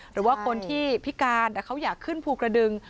หรือว่าคนที่พิการแต่เขาอยากขึ้นภูกระดึง